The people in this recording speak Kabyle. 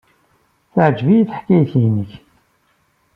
Teɛjeb-iyi teḥkayt-nnek.